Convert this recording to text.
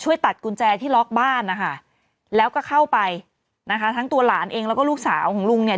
ตัดกุญแจที่ล็อกบ้านนะคะแล้วก็เข้าไปนะคะทั้งตัวหลานเองแล้วก็ลูกสาวของลุงเนี่ย